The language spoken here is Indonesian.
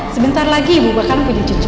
sebentar lagi ibu bakal menjadi cucu